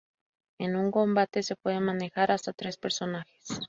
En un combate se puede manejar hasta tres personajes.